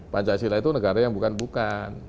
pancasila itu negara yang bukan bukan